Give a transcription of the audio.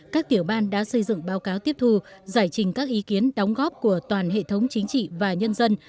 các tiểu ban đã xây dựng báo cáo tiếp thu giải trình các ý kiến đóng góp của toàn hệ thống chính trị và nhân dân